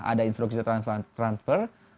ada instruksi transfer